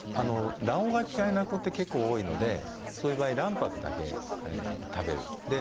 卵黄が嫌いな子って結構多いのでそういう場合卵白だけ食べる。